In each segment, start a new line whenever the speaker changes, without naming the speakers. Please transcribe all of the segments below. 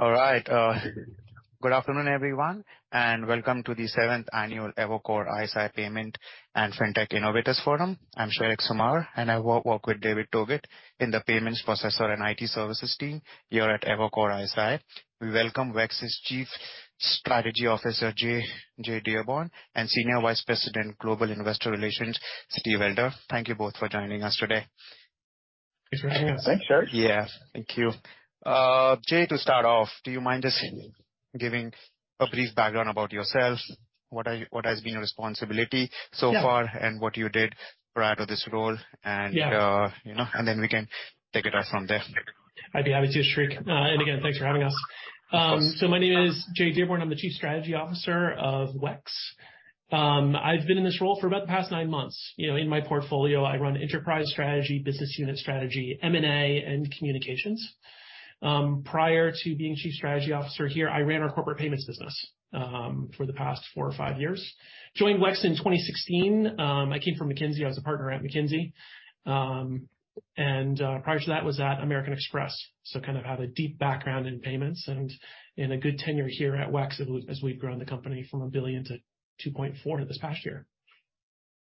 All right, good afternoon, everyone, and welcome to the seventh annual Evercore ISI Payments and FinTech Innovators Forum. I'm Shariq Zamar, and I work with David Togut in the payments processor and IT services team here at Evercore ISI. We welcome WEX's Chief Strategy Officer, Jay Dearborn, and Senior Vice President, Global Investor Relations, Steve Elder. Thank you both for joining us today.
Thanks for having us.
Thanks, Shariq.
Yeah. Thank you. Jay, to start off, do you mind just giving a brief background about yourself, what has been your responsibility so far?
Yeah.
What you did prior to this role, and.
Yeah.
You know, then we can take it off from there.
I'd be happy to, Shariq. Again, thanks for having us. My name is Jay Dearborn. I'm the Chief Strategy Officer of WEX. I've been in this role for about the past nine months. You know, in my portfolio, I run enterprise strategy, business unit strategy, M&A, and communications. Prior to being Chief Strategy Officer here, I ran our corporate payments business, for the past four or five years. Joined WEX in 2016. I came from McKinsey. I was a partner at McKinsey. Prior to that was at American Express, so kind of have a deep background in payments and a good tenure here at WEX as we've grown the company from $1 billion to $2.4 billion this past year.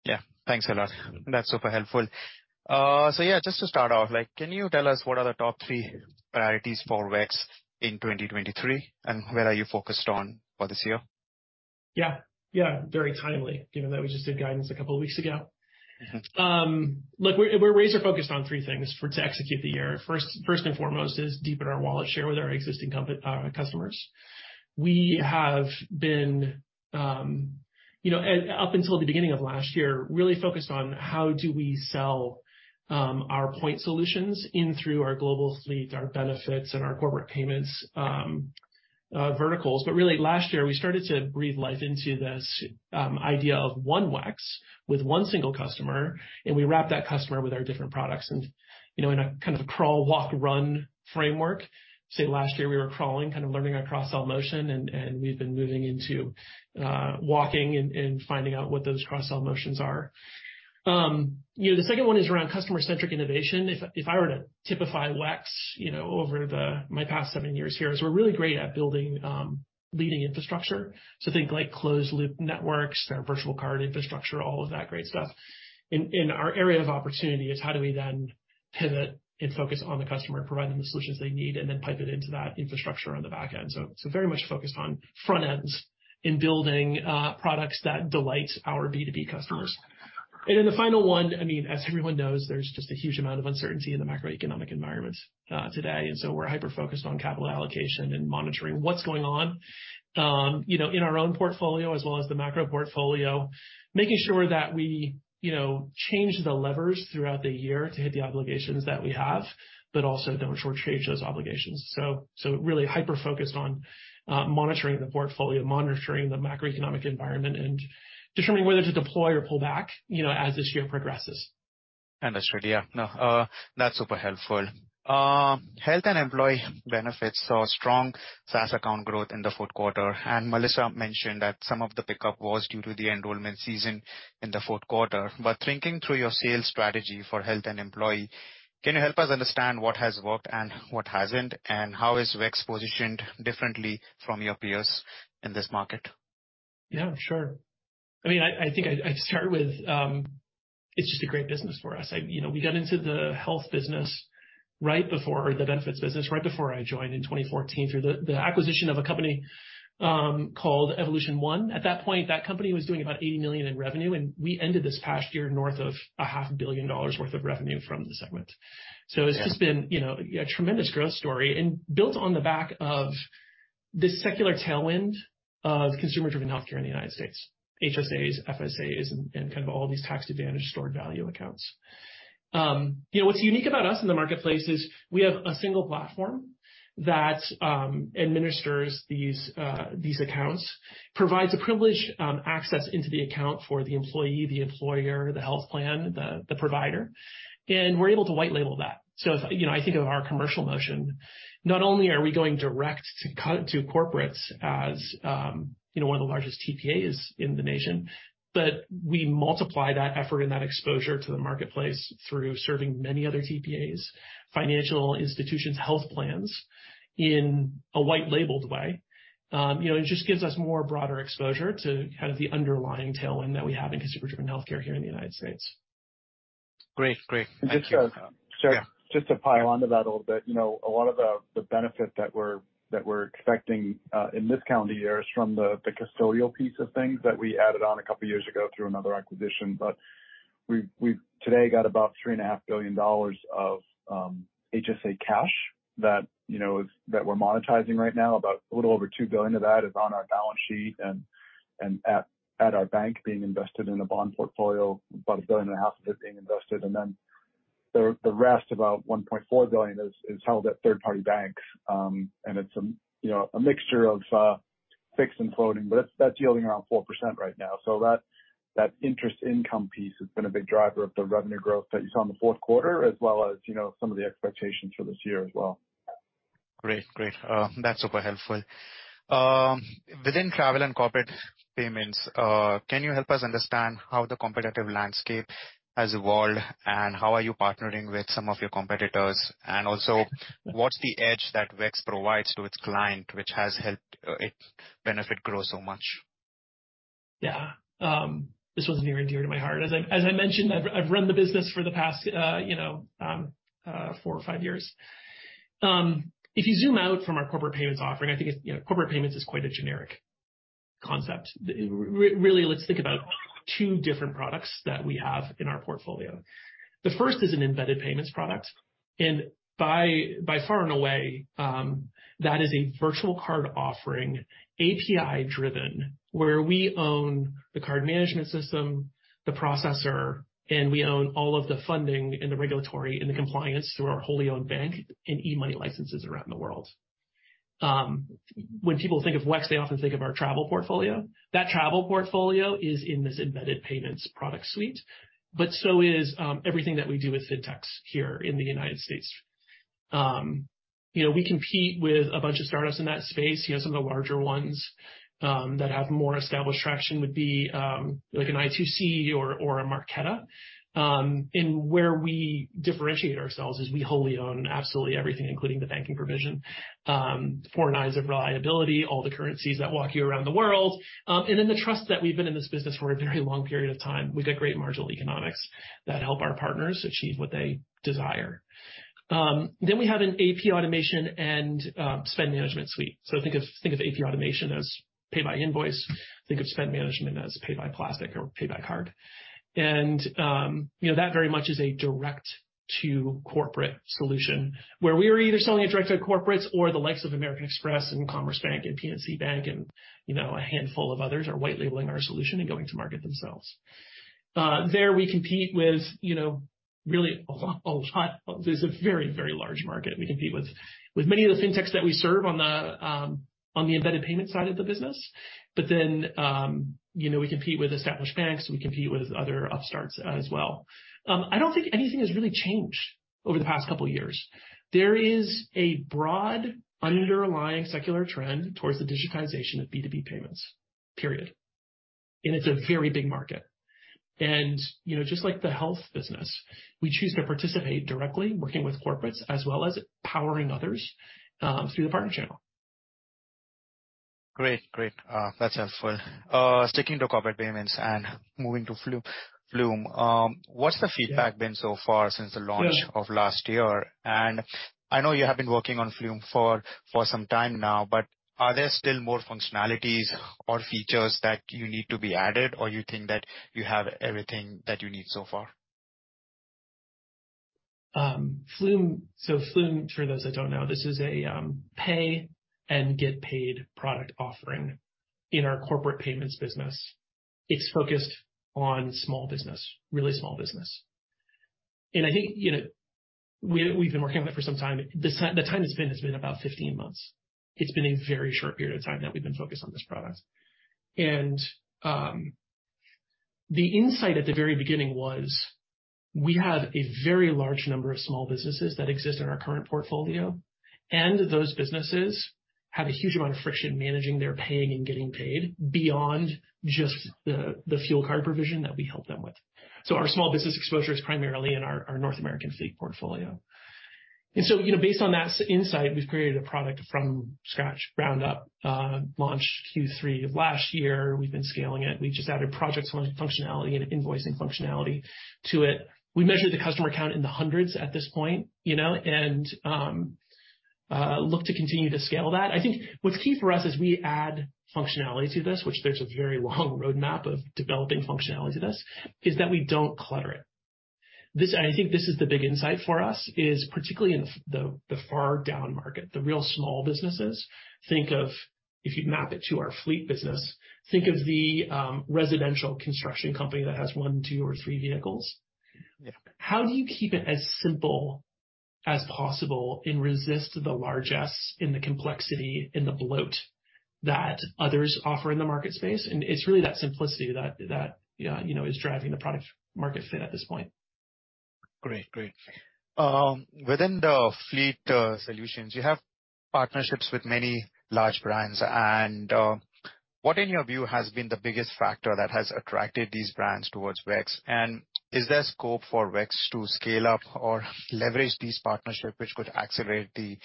Yeah. Thanks a lot. That's super helpful. Yeah, just to start off, like, can you tell us what are the top three priorities for WEX in 2023, and where are you focused on for this year?
Yeah. Yeah. Very timely, given that we just did guidance a couple of weeks ago. Look, we're razor-focused on three things for to execute the year. First and foremost is deepen our wallet share with our existing customers. We have been, you know, and up until the beginning of last year, really focused on how do we sell our point solutions in through our Global Fleet, our Benefits, and our Corporate Payments verticals. Really last year, we started to breathe life into this idea of One WEX with one single customer, and we wrap that customer with our different products. You know, in a kind of crawl, walk, run framework, say last year we were crawling, kind of learning our cross-sell motion and we've been moving into walking and finding out what those cross-sell motions are. You know, the second one is around customer-centric innovation. If I were to typify WEX, you know, over the my past seven years here, is we're really great at building, leading infrastructure. Think like closed loop networks, our virtual card infrastructure, all of that great stuff. Our area of opportunity is how do we then pivot and focus on the customer and provide them the solutions they need and then pipe it into that infrastructure on the back end. Very much focused on front ends in building, products that delight our B2B customers. The final one, I mean, as everyone knows, there's just a huge amount of uncertainty in the macroeconomic environment today. We're hyper-focused on capital allocation and monitoring what's going on, you know, in our own portfolio as well as the macro portfolio, making sure that we, you know, change the levers throughout the year to hit the obligations that we have, but also don't shortchange those obligations. Really hyper-focused on monitoring the portfolio, monitoring the macroeconomic environment, and determining whether to deploy or pull back, you know, as this year progresses.
Understood. Yeah. No, that's super helpful. Health and employee benefits saw strong SaaS account growth in the fourth quarter. Melissa mentioned that some of the pickup was due to the enrollment season in the fourth quarter. Thinking through your sales strategy for health and employee, can you help us understand what has worked and what hasn't, and how is WEX positioned differently from your peers in this market?
Yeah, sure. I mean, I think I'd start with, it's just a great business for us. You know, we got into the health business right before the benefits business right before I joined in 2014 through the acquisition of a company called Evolution1. At that point, that company was doing about $80 million in revenue, and we ended this past year north of a half billion dollars worth of revenue from the segment.
Yeah.
It's just been, you know, a tremendous growth story and built on the back of this secular tailwind of consumer-driven healthcare in the United States, HSAs, FSAs, and kind of all these tax-advantaged stored value accounts. You know, what's unique about us in the marketplace is we have a single platform that administers these accounts, provides a privileged access into the account for the employee, the employer, the health plan, the provider, and we're able to white label that. You know, I think of our commercial motion, not only are we going direct to corporates as, you know, one of the largest TPAs in the nation, but we multiply that effort and that exposure to the marketplace through serving many other TPAs, financial institutions, health plans in a white labeled way. You know, it just gives us more broader exposure to kind of the underlying tailwind that we have in consumer-driven healthcare here in the United States.
Great. Thank you.
Yeah.
Just to pile onto that a little bit, you know, a lot of the benefit that we're expecting in this calendar year is from the custodial piece of things that we added on a couple of years ago through another acquisition. We've today got about $3.5 billion of HSA cash that, you know, is that we're monetizing right now. About a little over $2 billion of that is on our balance sheet and at our bank being invested in a bond portfolio, about $1.5 billion of it being invested. The rest, about $1.4 billion is held at third-party banks. And it's, you know, a mixture of fixed and floating, but that's yielding around 4% right now. That interest income piece has been a big driver of the revenue growth that you saw in the fourth quarter as well as, you know, some of the expectations for this year as well.
Great. That's super helpful. Within travel and corporate payments, can you help us understand how the competitive landscape has evolved and how are you partnering with some of your competitors? What's the edge that WEX provides to its client, which has helped it benefit grow so much?
Yeah. This one's near and dear to my heart. As I, as I mentioned, I've run the business for the past, you know, four or five years. If you zoom out from our corporate payments offering, I think it's, you know, corporate payments is quite a generic concept. Really, let's think about two different products that we have in our portfolio. The first is an embedded payments product, and by far and away, that is a virtual card offering, API driven, where we own the card management system, the processor, and we own all of the funding and the regulatory and the compliance through our wholly owned bank and e-money licenses around the world. When people think of WEX, they often think of our travel portfolio. That travel portfolio is in this embedded payments product suite, but so is everything that we do with FinTechs here in the United States. You know, we compete with a bunch of startups in that space. You know, some of the larger ones that have more established traction would be like an i2c or a Marqeta. Where we differentiate ourselves is we wholly own absolutely everything, including the banking provision. Four nines of reliability, all the currencies that walk you around the world. The trust that we've been in this business for a very long period of time. We get great marginal economics that help our partners achieve what they desire. We have an AP automation and spend management suite. Think of AP automation as pay by invoice. Think of spend management as pay by plastic or pay by card. You know, that very much is a direct to corporate solution where we are either selling it direct to corporates or the likes of American Express and Commerce Bank and PNC Bank, and, you know, a handful of others are white labeling our solution and going to market themselves. There we compete with, you know, really a lot. There's a very, very large market. We compete with many of the FinTechs that we serve on the embedded payment side of the business. You know, we compete with established banks. We compete with other upstarts as well. I don't think anything has really changed over the past two years. There is a broad underlying secular trend towards the digitization of B2B payments, period. It's a very big market. You know, just like the health business, we choose to participate directly working with corporates as well as powering others, through the partner channel.
Great. Great. That's helpful. Sticking to corporate payments and moving to Flume. What's the feedback been so far since the launch of last year? I know you have been working on Flume for some time now, but are there still more functionalities or features that you need to be added or you think that you have everything that you need so far?
Flume. Flume, for those that don't know, this is a pay and get paid product offering in our corporate payments business. It's focused on small business, really small business. I think, you know, we've been working on it for some time. The time it's been, it's been about 15 months. It's been a very short period of time that we've been focused on this product. The insight at the very beginning was we have a very large number of small businesses that exist in our current portfolio, and those businesses have a huge amount of friction managing their paying and getting paid beyond just the fuel card provision that we help them with. Our small business exposure is primarily in our North American fleet portfolio. You know, based on that insight, we've created a product from scratch, ground up, launched Q3 of last year. We've been scaling it. We just added project functionality and invoicing functionality to it. We measured the customer count in the hundreds at this point, you know, and look to continue to scale that. I think what's key for us as we add functionality to this, which there's a very long roadmap of developing functionality to this, is that we don't clutter it. This, and I think this is the big insight for us, is particularly in the far down market, the real small businesses. Think of if you map it to our fleet business, think of the residential construction company that has one, two or three vehicles. How do you keep it as simple as possible and resist the largesse and the complexity and the bloat that others offer in the market space? It's really that simplicity that, you know, is driving the product market fit at this point.
Great. Within the fleet solutions, you have partnerships with many large brands. What in your view has been the biggest factor that has attracted these brands towards WEX? Is there scope for WEX to scale up or leverage these partnerships which could accelerate the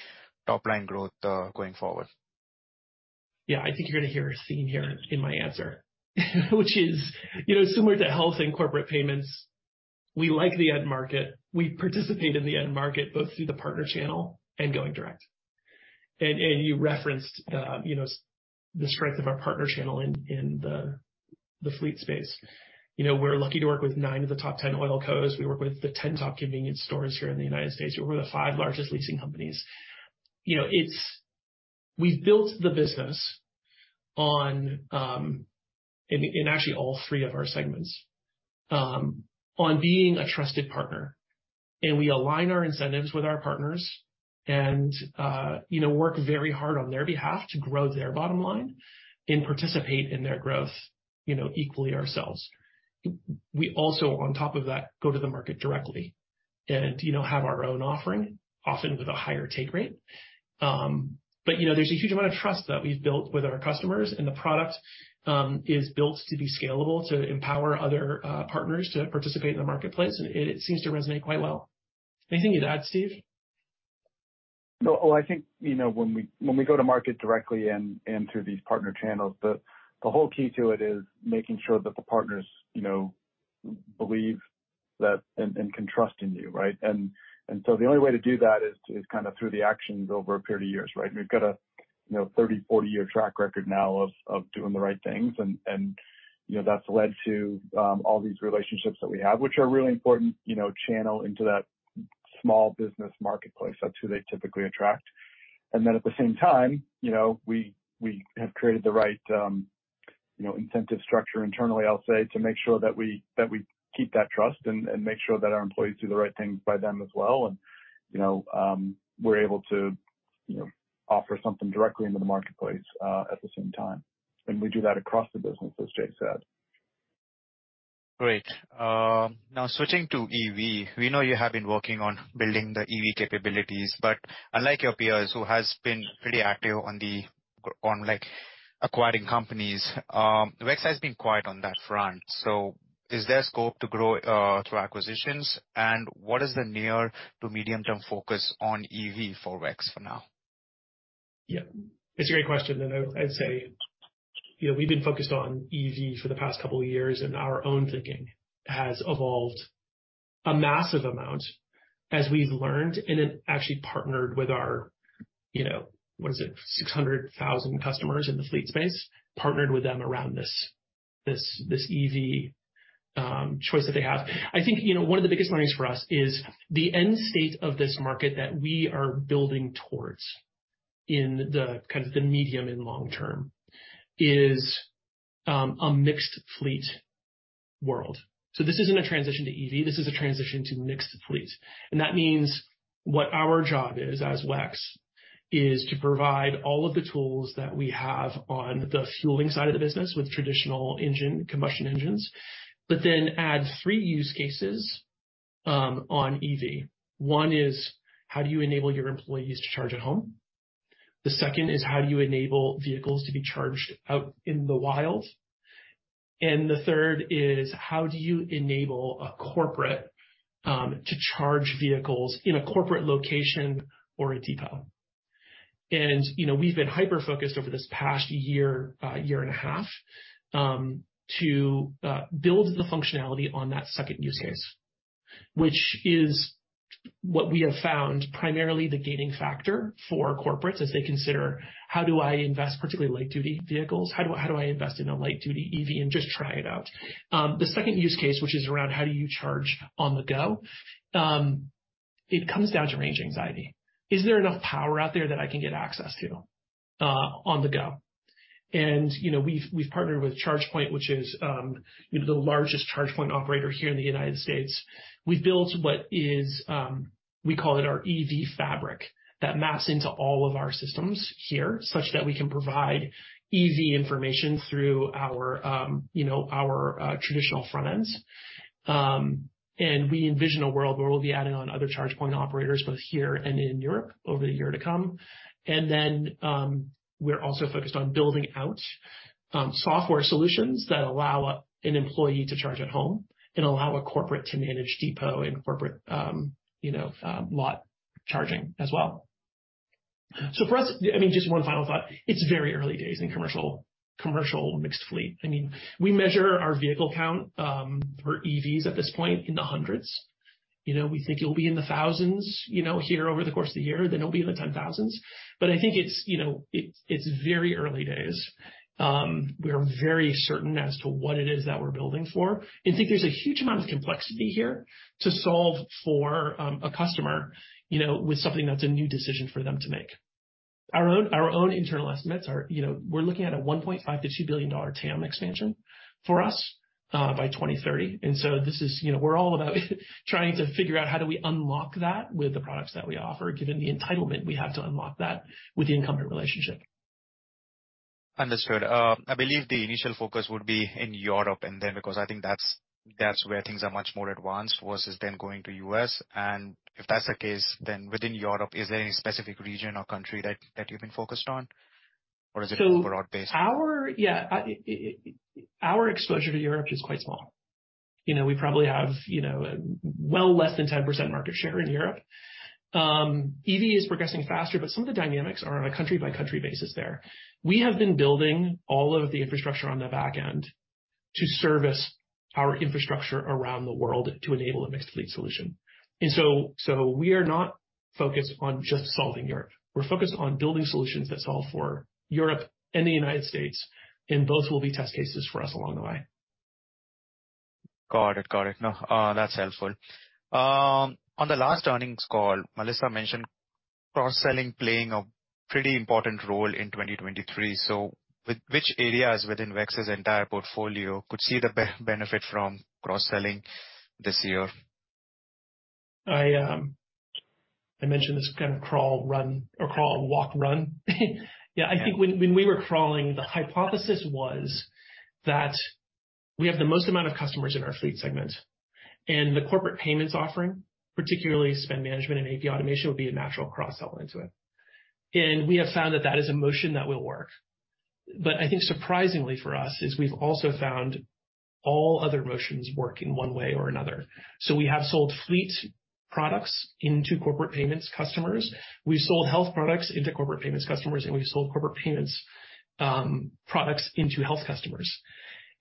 top-line growth going forward?
Yeah, I think you're gonna hear a theme here in my answer, which is, you know, similar to health and corporate payments, we like the end market. We participate in the end market both through the partner channel and going direct. You referenced, you know, the strength of our partner channel in the fleet space. You know, we're lucky to work with nine of the top 10 oil cos. We work with the 10 top convenience stores here in the United States. We work with the five largest leasing companies. You know, we've built the business on actually all three of our segments on being a trusted partner. We align our incentives with our partners and, you know, work very hard on their behalf to grow their bottom line. Participate in their growth, you know, equally ourselves. We also on top of that, go to the market directly and, you know, have our own offering, often with a higher take rate. You know, there's a huge amount of trust that we've built with our customers, and the product is built to be scalable, to empower other partners to participate in the marketplace, and it seems to resonate quite well. Anything you'd add, Steve?
No. Well, I think, you know, when we go to market directly and through these partner channels, the whole key to it is making sure that the partners, you know, believe that and can trust in you, right? The only way to do that is kind of through the actions over a period of years, right? We've got a, you know, 30, 40 year track record now of doing the right things and, you know, that's led to all these relationships that we have, which are a really important, you know, channel into that small business marketplace. That's who they typically attract. At the same time, you know, we have created the right, you know, incentive structure internally, I'll say, to make sure that we keep that trust and make sure that our employees do the right thing by them as well. You know, we're able to, you know, offer something directly into the marketplace, at the same time. We do that across the business, as Jay said.
Great. Now switching to EV. We know you have been working on building the EV capabilities, but unlike your peers who has been pretty active on, like, acquiring companies, WEX has been quiet on that front. Is there scope to grow through acquisitions? What is the near to medium term focus on EV for WEX for now?
Yeah, it's a great question. I'd say, you know, we've been focused on EV for the past couple of years. Our own thinking has evolved a massive amount as we've learned, actually partnered with our, you know, what is it? 600,000 customers in the fleet space, partnered with them around this EV choice that they have. I think, you know, one of the biggest learnings for us is the end state of this market that we are building towards in the kind of the medium and long term is a mixed fleet world. This isn't a transition to EV, this is a transition to mixed fleet. That means what our job is as WEX is to provide all of the tools that we have on the fueling side of the business with traditional engine, combustion engines, but then add three use cases on EV. One is, how do you enable your employees to charge at home? The second is, how do you enable vehicles to be charged out in the wild? The third is how do you enable a corporate to charge vehicles in a corporate location or a depot? You know, we've been hyper-focused over this past year and a half to build the functionality on that second use case, which is what we have found primarily the gaining factor for corporates as they consider how do I invest, particularly light-duty vehicles? How do I invest in a light duty EV and just try it out? The second use case, which is around how do you charge on the go, it comes down to range anxiety. Is there enough power out there that I can get access to on the go? You know, we've partnered with ChargePoint, which is, you know, the largest ChargePoint operator here in the United States. We've built what is, we call it our EV fabric that maps into all of our systems here, such that we can provide easy information through our, you know, our traditional front ends. We envision a world where we'll be adding on other ChargePoint operators both here and in Europe over the year to come. We're also focused on building out software solutions that allow an employee to charge at home and allow a corporate to manage depot and corporate lot charging as well. For us, I mean, just one final thought. It's very early days in commercial mixed fleet. I mean, we measure our vehicle count for EVs at this point in the 100s. We think it'll be in the 1,000s here over the course of the year, then it'll be in the 10,000s. I think it's very early days. We are very certain as to what it is that we're building for. I think there's a huge amount of complexity here to solve for a customer with something that's a new decision for them to make. Our own internal estimates are, you know, we're looking at a $1.5 billion-$2 billion TAM expansion for us, by 2030. This is, you know, we're all about trying to figure out how do we unlock that with the products that we offer, given the entitlement we have to unlock that with the incumbent relationship.
Understood. I believe the initial focus would be in Europe and then because I think that's where things are much more advanced versus then going to U.S. If that's the case, then within Europe, is there any specific region or country that you've been focused on? Or is it broad-based?
Our exposure to Europe is quite small. You know, we probably have, you know, well less than 10% market share in Europe. EV is progressing faster, some of the dynamics are on a country-by-country basis there. We have been building all of the infrastructure on the back end to service our infrastructure around the world to enable a mixed fleet solution. We are not focused on just solving Europe. We're focused on building solutions that solve for Europe and the United States, those will be test cases for us along the way.
Got it. No, that's helpful. On the last earnings call, Melissa mentioned cross-selling playing a pretty important role in 2023. Which areas within WEX's entire portfolio could see the benefit from cross-selling this year?
I mentioned this kind of crawl, run or crawl, walk, run. Yeah, I think when we were crawling, the hypothesis was that we have the most amount of customers in our fleet segment, and the corporate payments offering, particularly spend management and AP automation, would be a natural cross-sell into it. We have found that that is a motion that will work. I think surprisingly for us is we've also found all other motions work in one way or another. We have sold fleet products into corporate payments customers. We've sold health products into corporate payments customers, and we've sold corporate payments products into health customers.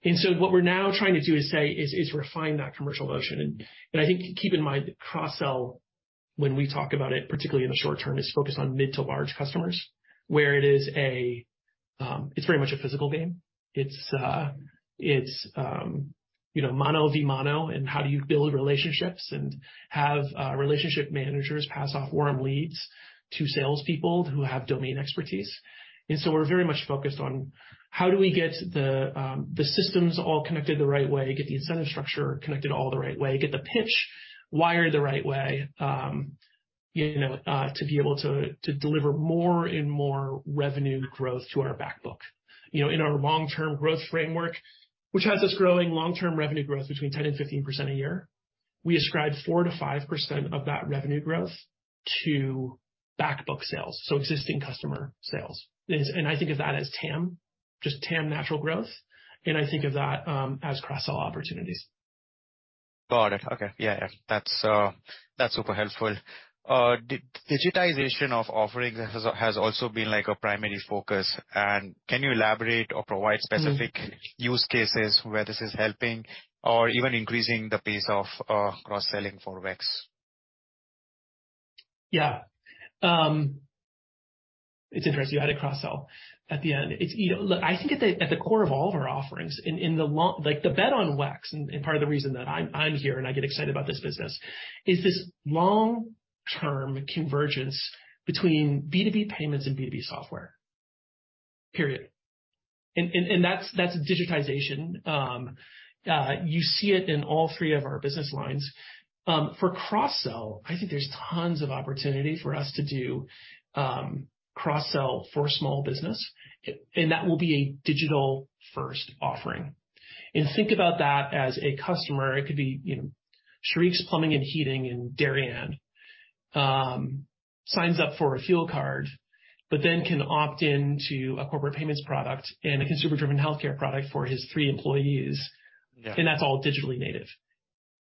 What we're now trying to do is say is refine that commercial motion. I think keep in mind that cross-sell, when we talk about it, particularly in the short term, is focused on mid to large customers where it's very much a physical game. It's, you know, mono V mono, and how do you build relationships and have relationship managers pass off warm leads to salespeople who have domain expertise. We're very much focused on how do we get the systems all connected the right way, get the incentive structure connected all the right way, get the pitch wired the right way, you know, to be able to deliver more and more revenue growth to our back book. You know, in our long-term growth framework, which has us growing long-term revenue growth between 10% and 15% a year, we ascribe 4%-5% of that revenue growth to back book sales, so existing customer sales. I think of that as TAM, just TAM natural growth, and I think of that as cross-sell opportunities.
Got it. Okay. Yeah. Yeah. That's super helpful. Digitization of offerings has also been like a primary focus. Can you elaborate or provide specific use cases where this is helping or even increasing the pace of cross-selling for WEX?
Yeah. It's interesting you added cross-sell at the end. It's, you know, look, I think at the core of all of our offerings in the long, like the bet on WEX, and part of the reason that I'm here and I get excited about this business is this long-term convergence between B2B payments and B2B software. Period. That's digitization. You see it in all three of our business lines. For cross-sell, I think there's tons of opportunity for us to do cross-sell for small business, and that will be a digital-first offering. Think about that as a customer. It could be, you know, Sharif's Plumbing and Heating in Darien, signs up for a fuel card, but then can opt in to a corporate payments product and a consumer-driven healthcare product for his three employees.
Yeah.
That's all digitally native.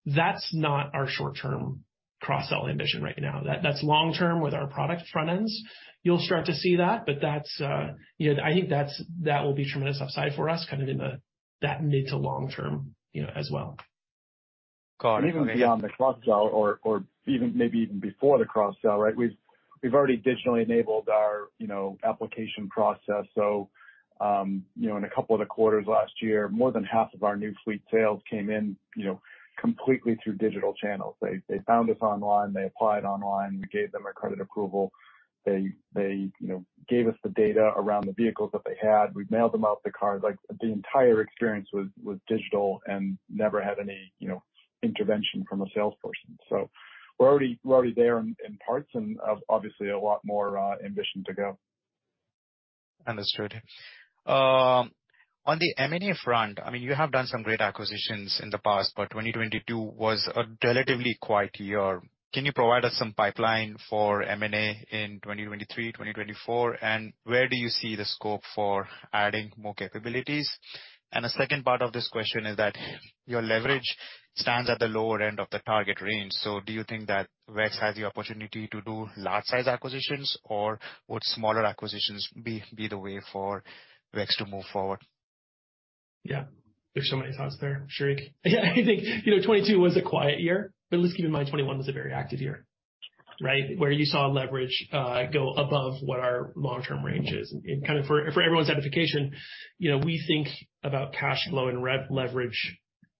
That's not our short-term cross-sell ambition right now. That's long-term with our product front ends. You'll start to see that, but that's, you know. I think that will be tremendous upside for us, kind of in that mid to long-term, you know, as well.
Got it, okay.
Even beyond the cross-sell or even maybe even before the cross-sell, right? We've already digitally enabled our, you know, application process. You know, in a couple of the quarters last year, more than half of our new fleet sales came in, you know, completely through digital channels. They found us online, they applied online, we gave them a credit approval. They, you know, gave us the data around the vehicles that they had. We mailed them out the card. Like, the entire experience was digital and never had any, you know, intervention from a salesperson. We're already there in parts and obviously a lot more ambition to go.
Understood. On the M&A front, I mean, you have done some great acquisitions in the past, but 2022 was a relatively quiet year. Can you provide us some pipeline for M&A in 2023, 2024? Where do you see the scope for adding more capabilities? A second part of this question is that your leverage stands at the lower end of the target range. Do you think that WEX has the opportunity to do large size acquisitions or would smaller acquisitions be the way for WEX to move forward?
There's so many thoughts there, Shariq. I think, you know, 2022 was a quiet year, but let's keep in mind 2021 was a very active year, right? Where you saw leverage go above what our long-term range is. Kind of for everyone's edification, you know, we think about cash flow and rev leverage.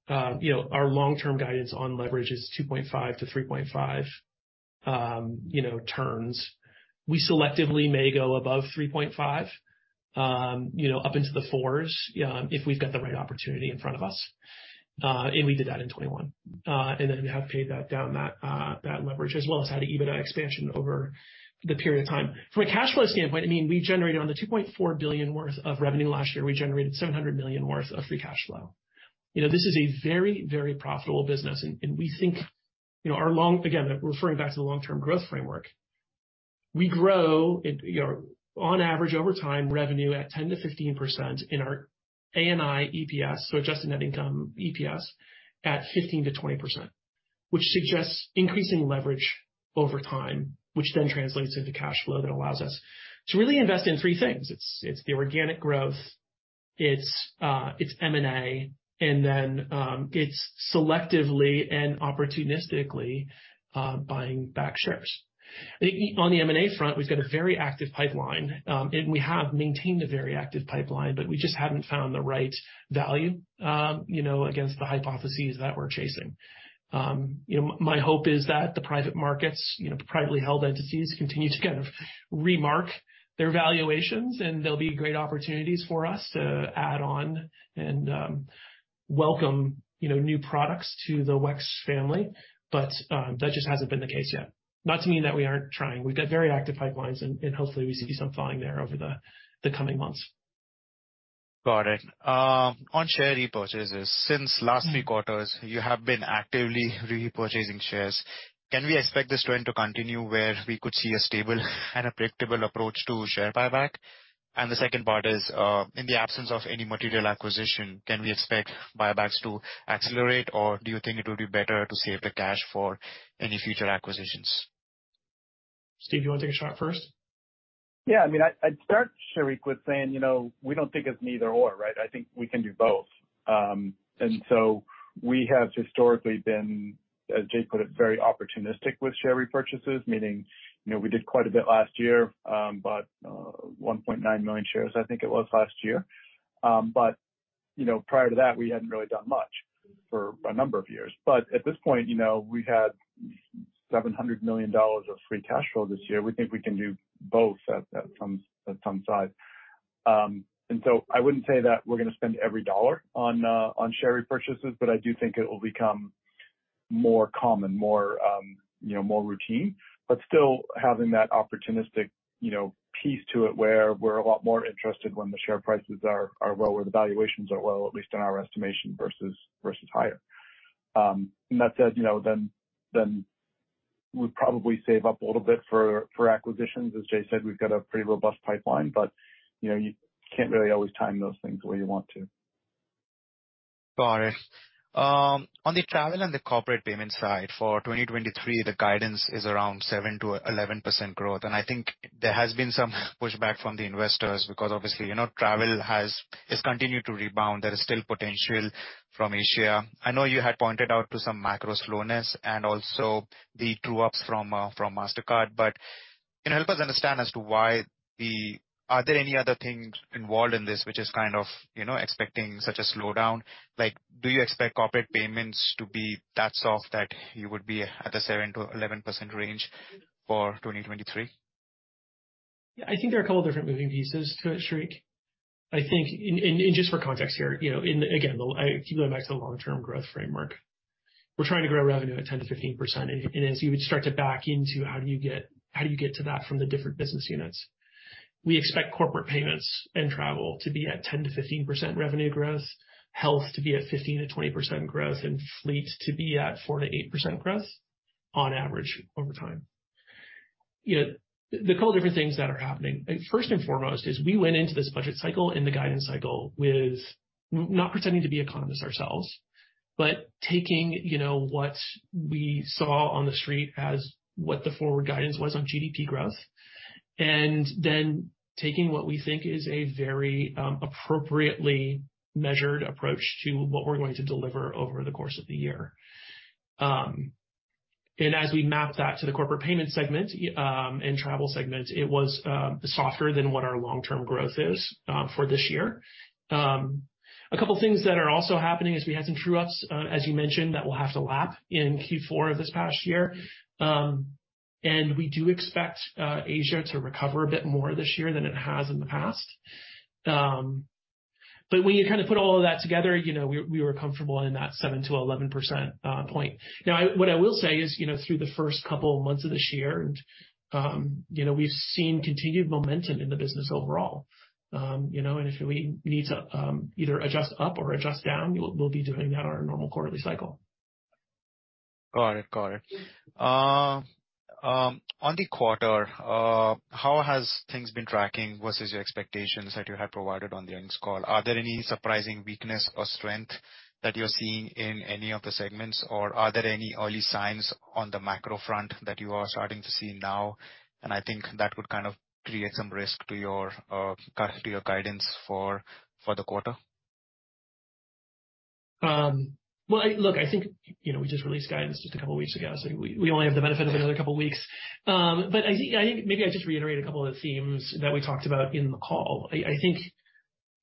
You know, our long-term guidance on leverage is 2.5-3.5, you know, turns. We selectively may go above 3.5, you know, up into the fours, if we've got the right opportunity in front of us. We did that in 2021. Have paid that down, that leverage, as well as had an EBITDA expansion over the period of time. From a cash flow standpoint, I mean, we generated on the $2.4 billion worth of revenue last year, we generated $700 million worth of free cash flow. You know, this is a very, very profitable business. We think, you know. Again, referring back to the long-term growth framework. We grow, you know, on average over time, revenue at 10%-15% in our ANI EPS, so adjusted net income EPS at 15%-20%, which suggests increasing leverage over time, which then translates into cash flow that allows us to really invest in three things. It's the organic growth, it's M&A, and then, it's selectively and opportunistically, buying back shares. On the M&A front, we've got a very active pipeline, and we have maintained a very active pipeline, but we just haven't found the right value, you know, against the hypotheses that we're chasing. You know, my hope is that the private markets, you know, privately held entities continue to kind of remark their valuations, and there'll be great opportunities for us to add on and welcome, you know, new products to the WEX family. That just hasn't been the case yet. Not to mean that we aren't trying. We've got very active pipelines, and hopefully we see some flying there over the coming months.
Got it. On share repurchases. Since last three quarters, you have been actively repurchasing shares. Can we expect this trend to continue where we could see a stable and a predictable approach to share buyback? In the absence of any material acquisition, can we expect buybacks to accelerate, or do you think it will be better to save the cash for any future acquisitions?
Steve, you wanna take a shot first?
I mean, I'd start, Shariq, with saying, you know, we don't think it's an either/or, right? I think we can do both. We have historically been, as Jay put it, very opportunistic with share repurchases, meaning, you know, we did quite a bit last year, but 1.9 million shares, I think it was last year. You know, prior to that, we hadn't really done much for a number of years. At this point, you know, we had $700 million of free cash flow this year. We think we can do both at some size. I wouldn't say that we're gonna spend every dollar on share repurchases, but I do think it will become more common, more, you know, more routine, but still having that opportunistic, you know, piece to it, where we're a lot more interested when the share prices are low or the valuations are low, at least in our estimation, versus higher. That said, you know, then we'd probably save up a little bit for acquisitions. As Jay said, we've got a pretty robust pipeline, but, you know, you can't really always time those things the way you want to.
Got it. On the travel and the corporate payment side, for 2023, the guidance is around 7%-11% growth. I think there has been some pushback from the investors because obviously, you know, travel is continued to rebound. There is still potential from Asia. I know you had pointed out to some macro slowness and also the true-ups from Mastercard. Can you help us understand as to why? Are there any other things involved in this which is kind of, you know, expecting such a slowdown? Like, do you expect corporate payments to be that soft that you would be at the 7%-11% range for 2023?
Yeah. I think there are a couple different moving pieces to it, Shariq. I think. Just for context here, you know, and again, I keep going back to the long-term growth framework. We're trying to grow revenue at 10%-15%, as you would start to back into how do you get, how do you get to that from the different business units. We expect corporate payments and travel to be at 10%-15% revenue growth, health to be at 15%-20% growth, fleets to be at 4%-8% growth on average over time. You know, there are a couple different things that are happening. First and foremost is we went into this budget cycle and the guidance cycle with not pretending to be economists ourselves, but taking, you know, what we saw on the street as what the forward guidance was on GDP growth, and then taking what we think is a very appropriately measured approach to what we're going to deliver over the course of the year. As we map that to the corporate payment segment, and travel segment, it was softer than what our long-term growth is for this year. A couple things that are also happening is we had some true-ups, as you mentioned, that we'll have to lap in Q4 of this past year. We do expect Asia to recover a bit more this year than it has in the past. When you kind of put all of that together, you know, we were comfortable in that 7%-11% point. Now, what I will say is, you know, through the first couple of months of this year and, you know, we've seen continued momentum in the business overall. You know, if we need to either adjust up or adjust down, we'll be doing that on our normal quarterly cycle.
Got it. Got it. On the quarter, how has things been tracking versus your expectations that you had provided on the earnings call? Are there any surprising weakness or strength that you're seeing in any of the segments, or are there any early signs on the macro front that you are starting to see now, and I think that would kind of create some risk to your to your guidance for the quarter?
Well, look, I think, you know, we just released guidance just a couple weeks ago, we only have the benefit of another couple weeks. I think maybe I just reiterate a couple of the themes that we talked about in the call. I think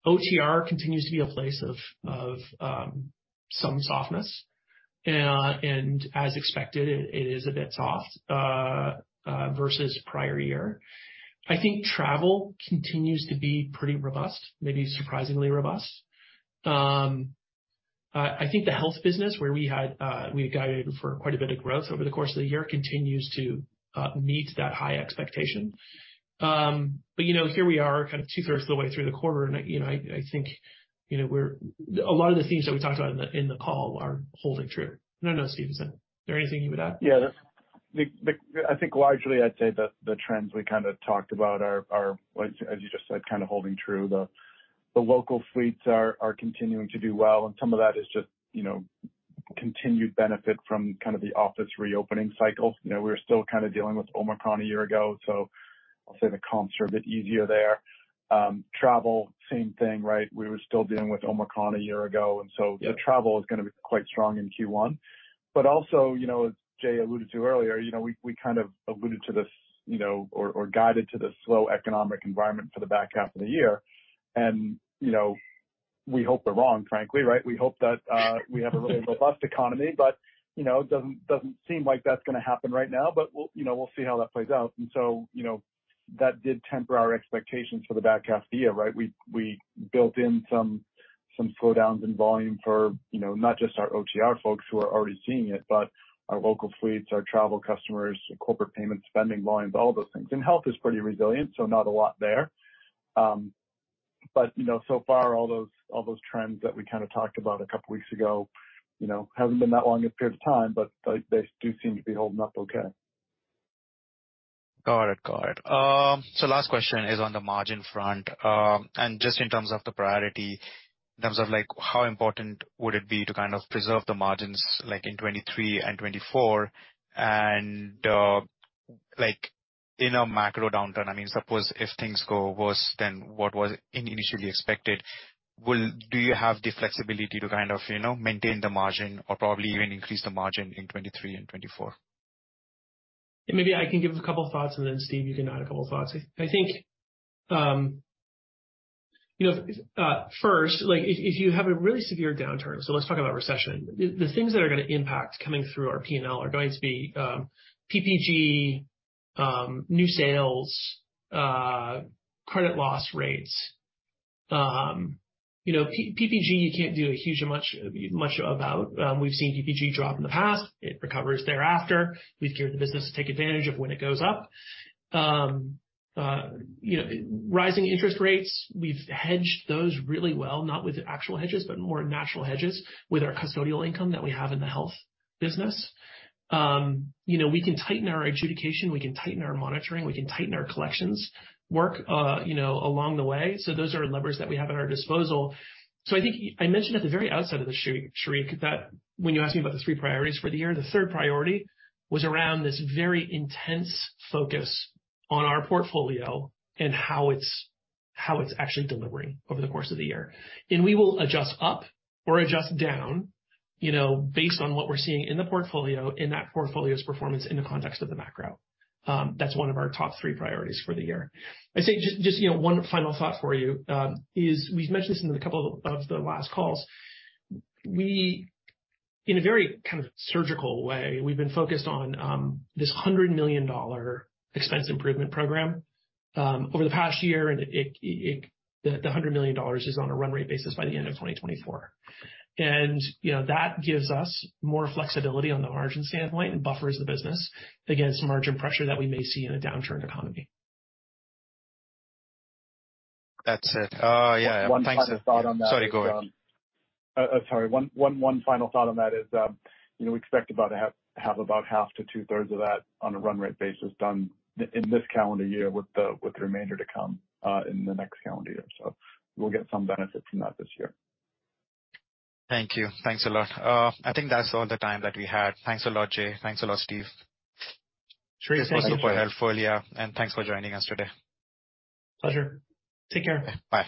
OTR continues to be a place of some softness. As expected, it is a bit soft versus prior year. I think travel continues to be pretty robust, maybe surprisingly robust. I think the health business where we had guided for quite a bit of growth over the course of the year continues to meet that high expectation. You know, here we are kind of two-thirds of the way through the quarter and, you know, I think, you know, we're, a lot of the themes that we talked about in the, in the call are holding true. I don't know, Steve, is there anything you would add?
Yeah. I think largely I'd say the trends we kinda talked about are, as you just said, kinda holding true. The local fleets are continuing to do well, some of that is just, you know, continued benefit from kind of the office reopening cycle. You know, we were still kind of dealing with Omicron a year ago, I'll say the comps are a bit easier there. Travel, same thing, right? We were still dealing with Omicron a year ago.
Yeah.
The travel is gonna be quite strong in Q1. You know, as Jay alluded to earlier, you know, we kind of alluded to this, you know, or guided to this slow economic environment for the back half of the year. You know, we hope we're wrong, frankly, right? We hope that, we have a really robust economy, but, you know, it doesn't seem like that's gonna happen right now. We'll, you know, we'll see how that plays out. You know, that did temper our expectations for the back half of the year, right? We, we built in some slowdowns in volume for, you know, not just our OTR folks who are already seeing it, but our local fleets, our travel customers, corporate payment spending volumes, all those things. Health is pretty resilient, so not a lot there. You know, so far, all those trends that we kind of talked about a couple weeks ago, you know, haven't been that long a period of time, but they do seem to be holding up okay.
Got it. Got it. Last question is on the margin front. Just in terms of the priority, in terms of like how important would it be to kind of preserve the margins like in 2023 and 2024, like in a macro downturn, I mean, suppose if things go worse than what was initially expected, do you have the flexibility to kind of, you know, maintain the margin or probably even increase the margin in 2023 and 2024?
Maybe I can give a couple thoughts then Steve, you can add a couple thoughts. I think, you know, first, like if you have a really severe downturn, so let's talk about recession. The things that are gonna impact coming through our P&L are going to be PPG, new sales, credit loss rates. You know, PPG, you can't do a huge much about. We've seen PPG drop in the past. It recovers thereafter. We've geared the business to take advantage of when it goes up. You know, rising interest rates, we've hedged those really well, not with actual hedges, but more natural hedges with our custodial income that we have in the health business. You know, we can tighten our adjudication, we can tighten our monitoring, we can tighten our collections work, you know, along the way. Those are levers that we have at our disposal. I think I mentioned at the very outset of this, Shariq, that when you asked me about the three priorities for the year, the third priority was around this very intense focus on our portfolio and how it's actually delivering over the course of the year. We will adjust up or adjust down, you know, based on what we're seeing in the portfolio, in that portfolio's performance in the context of the macro. That's one of our top three priorities for the year. I'd say just, you know, one final thought for you, is we've mentioned this in a couple of the last calls. In a very kind of surgical way, we've been focused on this $100 million expense improvement program over the past year, and the $100 million is on a run rate basis by the end of 2024. You know, that gives us more flexibility on the margin standpoint and buffers the business against margin pressure that we may see in a downturn economy.
That's it. yeah. Thanks.
One final thought on that.
Sorry, go ahead.
Sorry. One final thought on that is, you know, we expect about half to two-thirds of that on a run rate basis done in this calendar year with the remainder to come in the next calendar year. We'll get some benefit from that this year.
Thank you. Thanks a lot. I think that's all the time that we had. Thanks a lot, Jay. Thanks a lot, Steve.
Shariq, thank you.
This was super helpful. Yeah, thanks for joining us today.
Pleasure. Take care.
Bye.